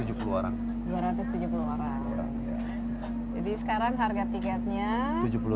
jadi sekarang harga tiketnya